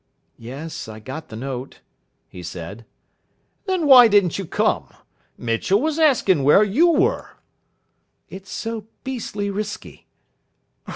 "Yes, I got the note," he said. "Then why didn't you come? Mitchell was asking where you were." "It's so beastly risky."